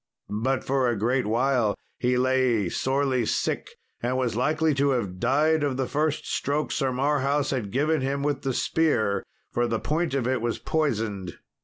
But for a great while he lay sorely sick, and was likely to have died of the first stroke Sir Marhaus had given him with the spear, for the point of it was poisoned.